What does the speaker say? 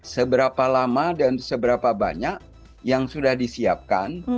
seberapa lama dan seberapa banyak yang sudah disiapkan